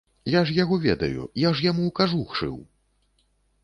Я ж яго ведаю, я ж яму кажух шыў!